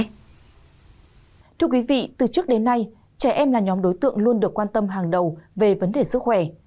thưa quý vị từ trước đến nay trẻ em là nhóm đối tượng luôn được quan tâm hàng đầu về vấn đề sức khỏe